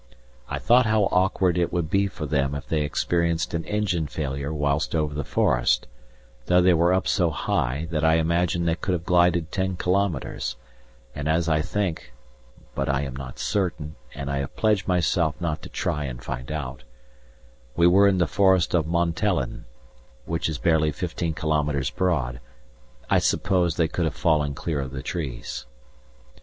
I thought how awkward it would be for them if they experienced an engine failure whilst over the forest, though they were up so high that I imagine they could have glided ten kilometres, and as I think (but I am not certain, and I have pledged myself not to try and find out) we were in the Forest of Montellan, which is barely fifteen kilometres broad, I suppose they could have fallen clear of the trees.